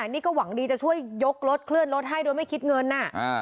นี่ก็หวังดีจะช่วยยกรถเคลื่อนรถให้โดยไม่คิดเงิน